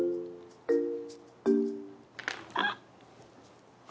あっ。